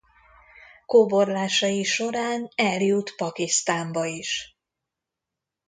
Kóborlásai során eljut Pakisztánba is.